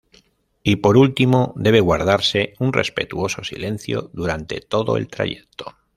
Y por último debe guardarse un respetuoso silencio durante todo el trayecto.